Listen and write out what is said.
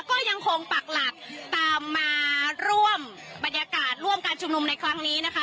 ก็ยังคงปักหลักตามมาร่วมบรรยากาศร่วมการชุมนุมในครั้งนี้นะคะ